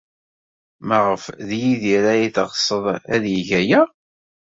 Maɣef d Yidir ay teɣsed ad yeg aya?